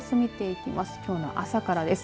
きょうの朝からです。